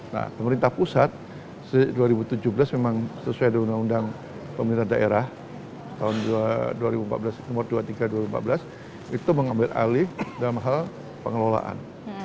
nah pemerintah pusat dua ribu tujuh belas memang sesuai dengan undang undang pemerintah daerah tahun dua ribu empat belas nomor dua puluh tiga dua ribu empat belas itu mengambil alih dalam hal pengelolaan